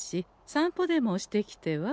散歩でもしてきては？